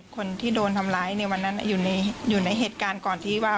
คนที่โดนทำร้ายในวันนั้นอยู่ในเหตุการณ์ก่อนที่ว่า